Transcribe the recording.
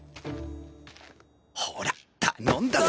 ほーら頼んだぞ！